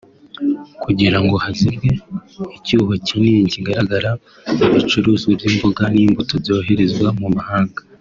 kugira ngo hazibwe icyuho kinini kigaragara mu bicuruzwa by’imboga n’imbuto byoherezwa mu mahanga